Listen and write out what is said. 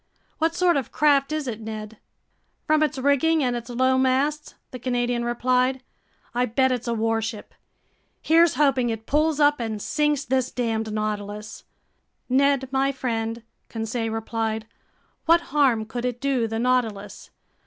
"What sort of craft is it, Ned?" "From its rigging and its low masts," the Canadian replied, "I bet it's a warship. Here's hoping it pulls up and sinks this damned Nautilus!" "Ned my friend," Conseil replied, "what harm could it do the Nautilus?